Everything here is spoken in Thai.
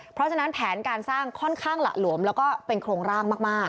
เพราะฉะนั้นแผนการสร้างค่อนข้างหละหลวมแล้วก็เป็นโครงร่างมาก